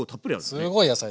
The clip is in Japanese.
すごい野菜。